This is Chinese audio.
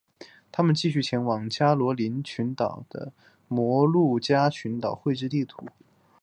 他们继续前往加罗林群岛和摩鹿加群岛测绘地图。